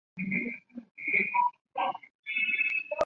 谒者是中国古代官名。